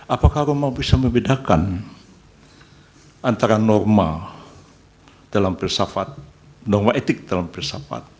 apakah roma bisa membedakan antara norma dalam filsafat norma etik dalam filsafat